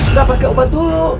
udah pakai obat dulu